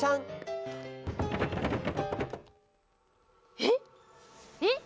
えっ？えっ？